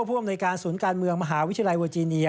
ผู้อำนวยการศูนย์การเมืองมหาวิทยาลัยเวอร์จีเนีย